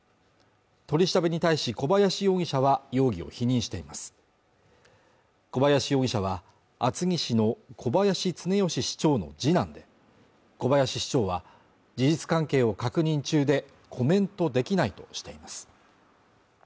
取り調べに対し小林容疑者は容疑を否認しています小林容疑者は厚木市の小林常良市長の次男で小林市長は事実関係を確認中でコメントできないとしています